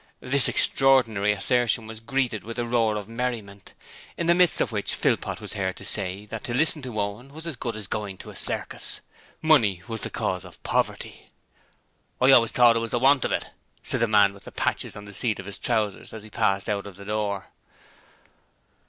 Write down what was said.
This extraordinary assertion was greeted with a roar of merriment, in the midst of which Philpot was heard to say that to listen to Owen was as good as going to a circus. Money was the cause of poverty! 'I always thought it was the want of it!' said the man with the patches on the seat of his trousers as he passed out of the door.